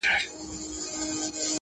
ستا پسرلي ته به شعرونه جوړ کړم٫